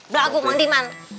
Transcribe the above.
udah aku mau diman